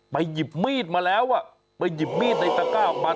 หยิบมีดมาแล้วไปหยิบมีดในตะก้าออกมา